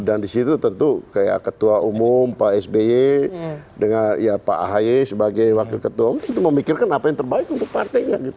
dan di situ tentu kayak ketua umum pak sby dengan ya pak ahy sebagai wakil ketua mungkin itu memikirkan apa yang terbaik untuk partainya gitu